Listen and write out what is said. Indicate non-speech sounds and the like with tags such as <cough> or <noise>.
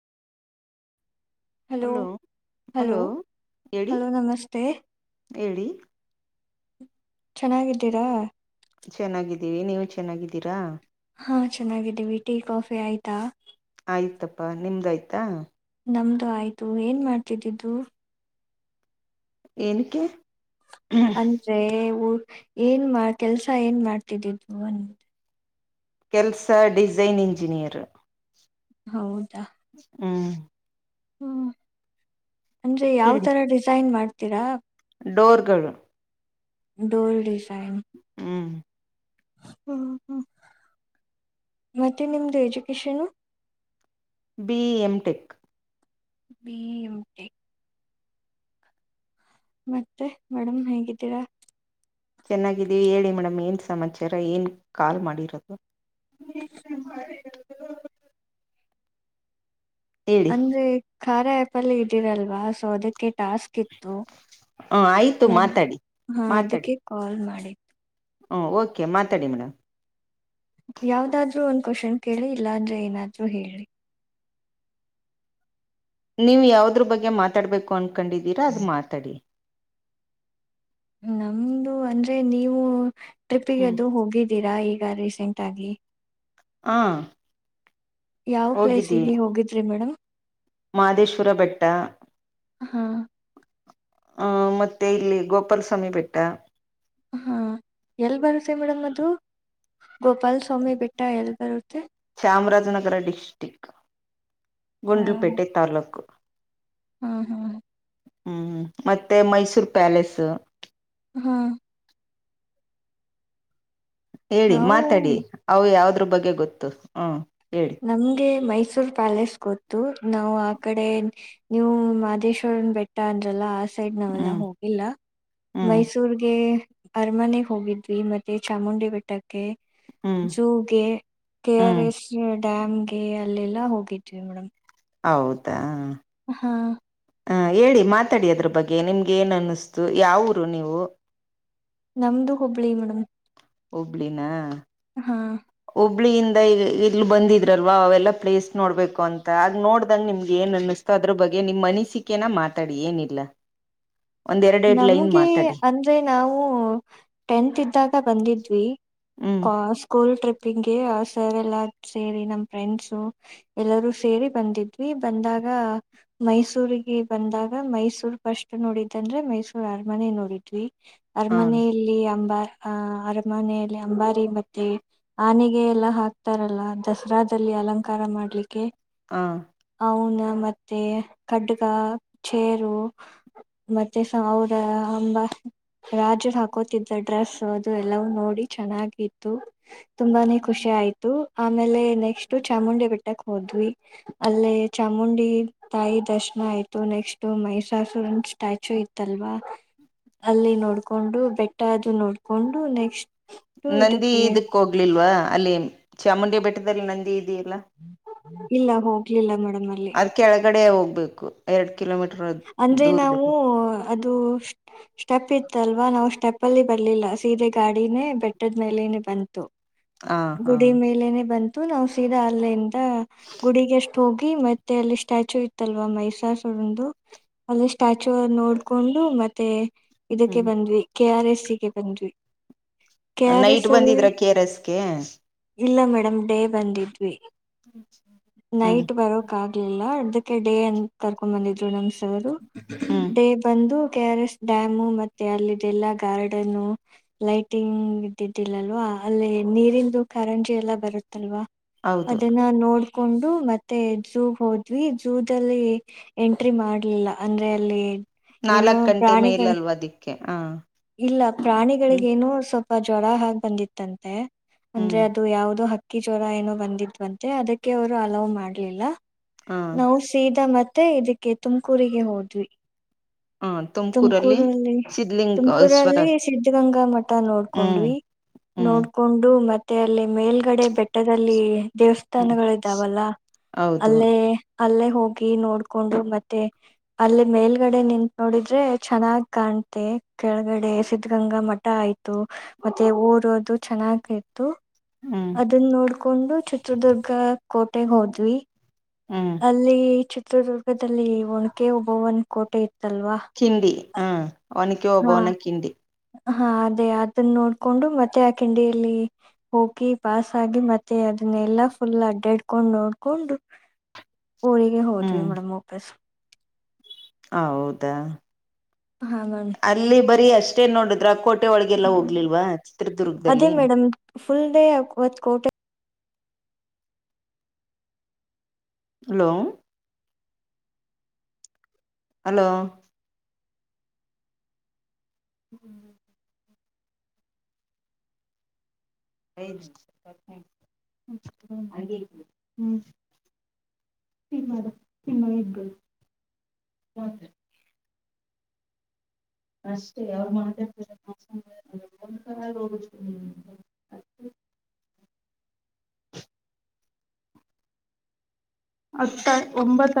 Hello hello ಹೇಳಿ hello ನಮಸ್ತೆ ಹೇಳಿ ಚೆನ್ನಾಗಿದ್ದೀರಾ ಚೆನ್ನಾಗಿದ್ದೀವಿ ನೀವು ಚೆನ್ನಾಗಿದ್ದೀರಾ ಹಾ ಚೆನ್ನಾಗಿದ್ದೀವಿ ಟೀ ಕಾಫಿ ಆಯ್ತಾ ಆಯ್ತಪ್ಪಾ ನಿಮ್ದ ಆಾಯ್ತಾ ನಮ್ದು ಆಯ್ತು ಏನ್ ಮಾಡ್ತಿದ್ದಿದ್ದು ಏನಕ್ಕೆ ಅಂದ್ರೆ ಏನ್ ಮಾ ಕೆಲ್ಸ ಏನ್ ಮಾಡ್ತಿದ್ದಿದು ಅಂದ ಕೆಲ್ಸ ಡಿಸೈನ್ ಇಂಜಿನಿಯರ್ ಹೌದಾ ಹೂ ಹೂ ಅಂದ್ರೆ ಯಾವ್ ಹೇಳಿ ತರ ಡಿಸೈನ್ ಮಾಡ್ತೀರಾ ಡೋರ್ಗಳು ಡೋಲ್ಡಿಶ್ ಹೂ ಹೂ ಹೂ ಮತ್ತೆ ನಿಮ್ದು ಎಜುಕೇಶನು ಬಿ ಎಂಟೆಕ್ ಬಿ ಎಂಟೆ ಮತ್ತೆ ಮೇಡಮ್ ಹೇಗಿದ್ದೀರಾ ಚೆನ್ನಾಗಿದ್ದೀವಿ ಹೇಳಿ ಮೇಡಮ್ ಏನು ಸಮಾಚಾರ ಏನು ಕಾಲ್ ಮಾಡಿರೋದು ಹ ಅಂದ್ರೆ ಕಾರ್ಯ ಆ್ಯಪಲ್ಲ ಇದ್ದೀರಲ್ವಾ ಸೊ ಅದಕ್ಕೆ ಟಾಸ್ಕ್ ಇತ್ತು ಹ ಆಯ್ತು ಮಾತಾಡಿ ಹ ಅದ್ಕೆ ಕಾಲ್ ಮಾಡಿದು ಹ ಓಕೆ ಮಾತಾಡಿ ಮೇಡಮ್ ಯಾವ್ದಾದ್ರೂ ಒಂದ್ ಕ್ವಶನ್ ಕೇಳಿ ಇಲ್ಲ ಆದ್ರೆ ಏನಾದ್ೂ ಹೇಳಿ ನೀವು ಯಾವದ್ರ ಬಗ್ಗೆ ಮಾತಾಡ್ಬೇಕು ಅನ್ಕೊಂಡಿದ್ದೀರಾ ಅದು ಮಾತಾಡಿ ನಮ್ದು ಅಂದ್ರೆ ನೀವು ಟ್ರಿಪ್ಪಿಗೆ ಹ್ಮ್ ಅದು ಹೋಗಿದ್ದೀರಿ ಈಗ ರೀಸೆಂಟ್ ಆಗಿ ಹಾ ಯಾವ ಪ್ಲೇಸ್ಿಗೆ ಹೋಗಿದ್ರಿ ಮೇಡಮ್ ಮಾದೇಶ್ವರ ಬೆಟ್ಟ ಹಾ ಹ ಮತ್ತೆ ಇಲ್ಲಿ ಗೋಪಾಲಸ್ವಾಮಿ ಬೆಟ್ಟ ಹಾ ಎಲ್ ಬರುತ್ತೆ ಮೇಡಮ್ ಅದು ಗೋಪಾಲ ಸ್ವಾಮಿ ಬೆಟ್ಟ ಎಲ್ಲಿ ಬರುತ್ತೆ ವಿನಗರ ಡಿಸ್ಟಿಕ್ ಗುಂಡಲುಪೇಟೆ ತಾಲೂಕು ಹಾ ಹಾ ಹೂ ಮತ್ತೆ ಮೈಸೂರ್ ಪ್ಯಾಲೇಸ್ ಹ ಹೇಳಿ ನಾವು ಮಾತಾಡಿ ಅವು ಯಾವ್ದ್ರ ಬಗ್ಗೆ ಗೊತ್ತು ಹ ನಮ್ಗೆ ಮೈ ಮೈಸೂರ್ ಪ್ಯಾಲೇಸ್ ಗೊತ್ತು ನಾವು ಆ ಕಡೆ ನೀವು ಮಹದೇಶ್ವರನ್ ಬೆಟ್ಟ ಅಂದ್ರಲ್ಲಾ ಸೈಡ್ ನಾವೆಲ್ಲ ಹ್ಮ್ ಹೋಗಿಲ್ಲ ಹ್ಮ್ ಮೈಸೂರ್ಗೆ ಅರಮನೆ ಹೋಗಿದ್ವಿ ಮತ್ತೆ ಚಾಮುಂಡಿ ಬೆಟ್ಟಕ್ಕೆ ಹ್ಮ್ ಜೋಗೆ ಕೆಆರ್ ಹ್ಮ್ ಎಸ್ ಡ್ಯಾಮ್ಗೆ ಅಲ್ಲಲ್ಲ ಹೋಗಿದ್ವಿ ಮೇಡಮ್ ಹೌದಾ ಹಾ ಹ ಹೇಳಿ ಮಾತಾಡಿ ಅದ್ರ ಬಗ್ಗೆ ನಿಮ್ಗೆ ಏನ್ ಅನ್ನಿಸ್ತು ಯಾವರು ನೀವು ನಮ್ದು ಹುಬ್ಬಳಿ ಮೇಡಮ್ ಹಬ್ಳಿನ ಹಾ ಹುಬ್ಳಿಯಿಂದ ಇಲ್ ಬಂದಿದ್ರಲ್ವ ಅವೆಲ್ಲ ಪ್ಲೇಸ್ ನೋಡ್ಬೇಕು ಅಂತ ಅ ನೋಡ್ದಂಗ ನಿಮ್ಗೆ ಏನ್ ಅನ್ನಿಸ ಅದ್ರ ಬಗ್ಗೆ ನಿಮ್ಮ್ ಅನಿಸಿಕೆನ ಮಾತಾಡಿ ಏನಿಲ್ಲ ಒಂದ್ ಎರಡೆರಡ್ ಲೈನ್ ನಮ್ಗೆ ಮಾತಾಡಿ ಅಂದ್ರೆ ನಾವು ಟೆಂತ್ ಇದ್ದಾಗ ಬಂದಿದ್ವಿ ಹ್ಮ್ ಸ್ಕೂಲ್ ಟ್ರಿಪ್ ಿಂಗೆ ಸರ್ ಎಲ್ಲ ಸೇರಿ ನಮ್ ಫ್ರೆಂಡ್ಸು ಎಲ್ಲರೂ ಸೇರಿ ಬಂದಿದ್ವಿ ಬಂದಾಗ ಮೈಸೂರಿಗೆ ಬಂದಾಗ ಮೈಸೂರ್ ಫಸ್ಟ್ ನೋಡಿದ ಆಂದ್ರೆ ಮೈಸೂರ್ ಅರಮನೆ ನೋಡಿದ್ವಿ ಹಾ ಅರಮನ ಇಯಲ್ಲಿ ಅಂಬಾರ್ ಆಹ್ ಅರಮನೆಯಲ್ಲಿ ಅಂಬಾರಿ ಮತ್ತೆ ಆನೆಗೆ ಎಲ್ಲಾ ಹಾಕ್ತಾರಲ್ಲ ದಸರಾದಲ್ಲಿ ಅಲಂಕಾರ ಮಾಡ್ಲಿಕ್ಕೆ ಹ ಅವನ ಮತ್ತೆ ಖಡ್ಗ ಚೇರು ಮತ್ತೆ ಅವರ ಅಂಬ ರಾಜರು ಹಾಕೋತಿದ್ದ ಡ್ರೆಸ್ ಅದು ಎಲ್ಲವೂ ನೋಡಿ ಚೆನ್ನಾಗಿತ್ತು ತುಂಬಾನೇ ಖುಷಿ ಆಯ್ತು ಆಮೇಲೆ ನೆಕ್ಸ್ಟ್ ಚಾಮುಂಡಿ ಬಿಟ್ಟಕ್ ಹೋದ್ವಿ ಅಲ್ಲೇ ಚಾಮುಂಡಿ ತಾಯಿ ದರ್ಶನ ಆಯ್ತು ನೆಕ್ಸ್ಟ್ ಮೈಸಾಸುರ ಸ್ಟ್ಯಾಚು ಇತ್ತಲ್ವಾ ಅಲ್ಲಿ ನೋಡ್ಕೊಂಡು ಬೆಟ್ಟ ಅದು ನೋಡ್ಕೊಂಡು ನೆಕ್ಸ್ಟ್ ನಂದಿ ಇದಕ್ಕೆ ಇದಕ್ ಹೋಗ್ಲಿಲ್ವಾ ಅಲ್ಲಿ ಚಾಮುಂಡಿ ಬೆಟ್ಟದಲ್ಲಿ ನಂದಿ ಇದೆಯಲ್ಲ ಇಲ್ಲ ಹೋಗ್ಲಿಲ್ಲ ಮೇಡಮ್ ಅಲ್ಲಿ ಅದ್ ಕೆಳಗಡೆ ಹೋಗ್ಬೇಕು ಎರಡ್ ಕಿಲೋಮೀಟರ್ ಅಂದ್ರೆ ನಾವು ದೂರದಲ್ಲಿ ಅದು ಸ್ಟಪ್ ಇತ್ತು ಅಲ್ವಾ ನಾವು ಸ್ಟೆಪ್ ಅಲ್ಲಿ ಬರ್ಲಿಲ್ಲ ಸೀದೆ ಗಾಡಿನೇ ಬೆಟ್ಟದ ಮೇಲನೆ ಬಂತು ಹ ಹಾ ಗುಡಿ ಮೇಲನೆ ಬಂತು ನಾ್ ಸೀದಾ ಅಲ್ಲಿೆಯಂದ ಗುಡಿಗೆಷ್ಟು ಹೋಗ್ ಮತ್ತೆ ಅಲ್ಲಿ ಸ್ಟ್ಯಾಚು ಇತ್ತಲ್ವಾ ಮೈಸ ಅಲ್ಲಿ ಸ್ಟ್ಯಾಚು ನೋಡ್ಕೊಂಡು ಮತ್ತೆ ಇದಕ್ಕೆ ಹ್ಮ್ ಬಂದ್ವಿ ಕೆ ಆರ್ ಎಸ್ ಸಿಗೆ ಬಂದ್ವಿ ಕೆ ಆರ್ ನೈಟ್ ಎಸ್ ಅಲ್ಲಿ ಬಂದಿದ್ರ ಕೆ ಆರ್ ಎಸ್ಗೆ ಇಲ್ಲ ಮೇಡಮ್ ಡೇ ಬಂದಿದ್ವಿ ಹ್ಮ್ ನೈಟ್ ಬರೋಕ್ ಆಗ್ಲಿಲ್ಲ ಅರ್ದಕ್ಕೆ ಡೇ ಅಂತ ಕರ್ಕೊಂಡ್ ಬಂದಿದ್ರು ನಮಸ ಹ್ಮ್ ಡೇ ಬಂದು ಕೆ ಆರ್ ಎಸ್ ಡ್ಯಾಮು ಮತ್ತೆ ಅಲ್ಲಿದ್ದ ಎಲ್ಲಾ ಗಾರ್ಡನ್ ಲೈಟಿಂಗ್ ಇದ್ದಿದ್ದಿಲ್ಲಲ್ವಾ ಅಲ್ಲೇ ನೀರಿಂದು ಕಾರಂಜಿ ಎಲ್ಲ ಬರುತ್ತಲ್ವಾ ಹೌದು ಅದನ್ನ ನೋಡ್ ಕೊಂಡು ಮತ್ತೆ ಜಝೂ ಹೋದ್ವಿ ಜಝೂಲ್ಲಿ ಎಂಟ್ರಿ ಮಾಡಲಿಲ್ಲ ಅಂದ್ರೆ ಅಲ್ಲಿ ಏನು ನಾಲ್ಕ್ ಗಂಟೆ ಪ್ರಾಣಿಗಳ ಮೇಲಲ್ವಾ ಅದಿಕ್ಕೆ ಹ ಇಲ್ಲ ಹ್ಮ್ ಪ್ರಾಣಿಗಳಿಗೇನು ಸ್ವ ಸ್ ಜ್ವಳ ಹಾ ಬಂದಿತ್ತಂತೆ ಅಂದ್ರೆ ಹ್ಮ್ ಅದು ಯಾವವುದೋ ಹ ಅಕ್ಕಿ ಜ್ವರ ಏನೋ ಬಂದಿದ್ವಂತೆ ಅದಕ್ಕೆ ಅವರು ಅಲವ್ ಮಾಡ್ಲಿಲ್ಲ ಹ ನಾವು ಸೀದಾ ಮ ಮತ್ತೆ ಇದಕ್ಕೆ ತುಮಕೂರಿಗೆ ಹೋದ್ವಿ ಹ ತುಮಕೂರಲ್ಲಿ ಸಿದ್ಲಿಂಗೇಶ್ವರ ತುಮಕೂರಲ್ಲಿ ಸಿದ್ಧಗಂಗಾ ಮಠ ಹ್ಮ್ ನೋಡ್ಕೊಂಡ್ವಿ ಹ್ಮ್ ನೋಡ್ಕೊಂಡು ಮತ್ತೆ ಮತ್ತೆ ಅಲ್ಲಿ ಮೇಲ್ಗಡೆ ಬೆಟ್ಟದಲ್ಲಿ ಹ್ಮ್ ದೇವಸ್ಥಾನಗಳ ಇದಾವಲ್ಲ ಹೌದು ಅಲ್ಲೇ ಅಲ್ಲೇ ಹೋಗಿ ನೋಡ್ಕೊಂಡ್ರು ಮತ್ತೆ ಅಲ್ಲ ಮೇಲ್ಗಡೆ ನಿಂತ ನೋಡಿದ್ರೆ ಚೆನ್ನಾಗ್ ಕಾಣ ಮ ಕೆಳಗಡೆ ಸಿದ್ಧಗಂಗಾ ಮಠ ಆಯ್ತು ಮತ್ತೆ ಊರದು ಚೆನ್ನಾಗಿ ಇತ್ತು ಹ್ಮ್ ಅದನ್ನ ನೋಡ್ಕೊಂಡು ಚಿತ್ರದುರ್ಗ ಕೋಟೆಗೆ ಹೋದ್ವಿ ಹ್ಮ್ ಅಲ್ಲಿ ಚಿತ್ರದುರ್ಗದಲ್ಲಿ ಒಣಕೆ ಹಬವನ್ ಕೋಟೆ ಇತ್ತು ಕಿಂಡಿ <unintelligible> ಹ್ಮ್ ಒನಕ್ಕೆ ಹಾ ಹಬೋನ ಕಿಂಡಿ. ಹಾ ಅದೇ ಅದನ್ನ ನೋಡ್ಕೊಂಡು ಮತ್ತೆ ಆ ಕಿಂಡಿಯಲ್ಲಿ ಹೋಗಿ ಪಾಸ್ ಆಗಿ ಮತ್ತೆ <unintelligible> ಅದನ್ನೆಲ್ಲಾ ಫುಲ್ ಅಡ್ಡಇಡ್ಕೊಂಡು ನೋಡ್ಕೊಂಡು <inaudible> <unintelligible> ಹೋದ್ವಿ ಹ್ಮ್ ಮೇಡಮ್ ವಾಪಸ್ ಹೌದಾ ಹಾ ಮ್ಯಾಮ್ ಅಲ್ಲಿ ಬರೀ ಅಷ್ಟೇ ನೋಡಿದ್ರ ಕೋಟೆ ಒಳಗೆಲ್ಲ ಹೋಗ್ಲಿಲ್ವಾ ಅದೇ ಚಿತ್ರದುರ್ಗದಲ್ಲಿ ಮೇಡಮ್ ಫುಲ್ ಡೇ ಅಕ್ವತ್ ಕೋಟೆ ಹಲೋ ಹಲೋ ಹ್ಮ್ ಯ್ಮ ಹಾಗ ಹ್ಮ್ ತಿನ್ನಡ ತಿನ್ನ ಇಬ ಅಷ್ಟೇ ಯ ಹ ಹತ್ತ ಒಂಬತ್ತು